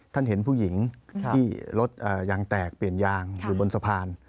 ท่านเห็นผู้หญิงที่รถยางแตกเปลี่ยนยางอยู่บนสะพาน